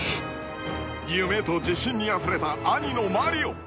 ［夢と自信にあふれた兄のマリオ］